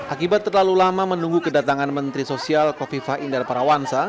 akibat terlalu lama menunggu kedatangan menteri sosial kofifa indar parawansa